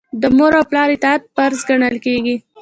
د مور او پلار اطاعت فرض ګڼل کیږي.